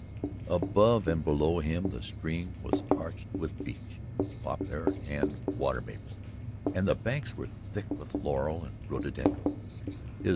Above and below him the stream was arched with beech, poplar and water maple, and the banks were thick with laurel and rhododendron.